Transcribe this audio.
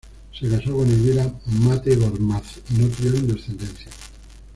Se casó con Elvira Matte Gormaz y no tuvieron descendencia.